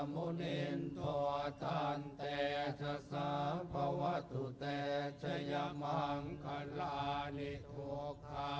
มุนินตัวท่านแต่จะสร้างพวัตถุแต่จะยามังคลานิโฆษภา